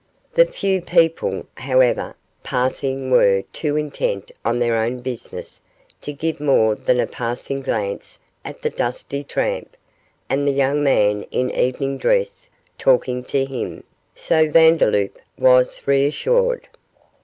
The few people, however, passing were too intent on their own business to give more than a passing glance at the dusty tramp and the young man in evening dress talking to him, so Vandeloup was reassured.